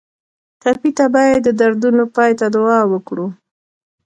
ټپي ته باید د دردونو پای ته دعا وکړو.